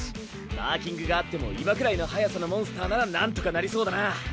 マーキングがあっても今くらいの速さのモンスターならなんとかなりそうだな。